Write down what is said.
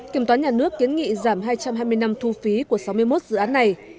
kiểm toán nhà nước kiến nghị giảm hai trăm hai mươi năm thu phí của sáu mươi một dự án này